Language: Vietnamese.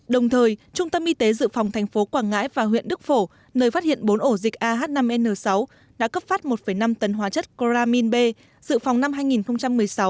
đồng thời trung tâm y tế dự phòng thành phố quảng ngãi và huyện đức phổ nơi phát hiện bốn ổ dịch ah năm n sáu đã cấp phát một năm tấn hóa chất chloramin b dự phòng năm hai nghìn một mươi sáu